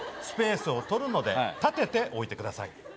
スペースをとるので立てて置いてください。